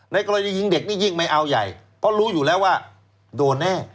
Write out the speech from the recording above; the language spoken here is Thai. กรณียิงเด็กนี่ยิ่งไม่เอาใหญ่เพราะรู้อยู่แล้วว่าโดนแน่